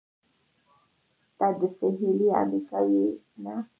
ته د سهېلي امریکا یې؟ نه.